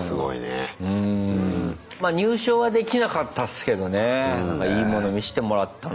まあ入賞はできなかったっすけどねいいもの見してもらったな。